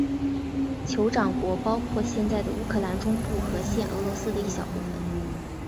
酋长国包括现在的乌克兰中部和现俄罗斯的一小部分。